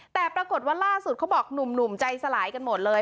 แต่ปรากฏว่าล่าสุดเขาบอกหนุ่มใจสลายกันหมดเลย